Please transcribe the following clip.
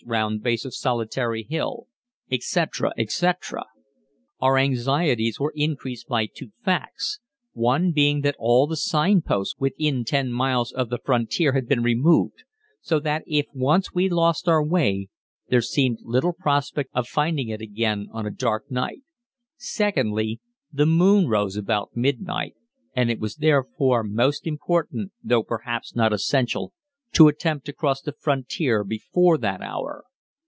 round base of solitary hill," etc., etc. Our anxieties were increased by two facts one being that all the sign posts within 10 miles of the frontier had been removed, so that if once we lost our way there seemed little prospect of finding it again on a dark night; secondly, the moon rose about midnight, and it was therefore most important, though perhaps not essential, to attempt to cross the frontier before that hour.